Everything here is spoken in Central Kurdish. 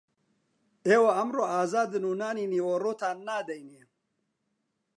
ئێوە ئەمڕۆ ئازادن و نانی نیوەڕۆتان نادەینێ